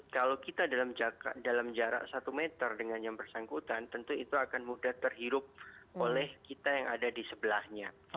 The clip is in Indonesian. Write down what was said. kalau kita dalam jarak satu meter dengan yang bersangkutan tentu itu akan mudah terhirup oleh kita yang ada di sebelahnya